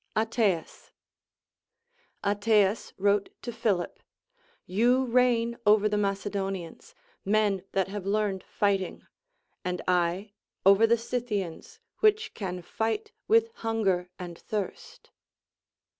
Ateas. Ateas wrote to Philip : You reign over the Ma cedonians, men that have learned fighting ; and I over the Scythians, which can fight with hunger and thirst.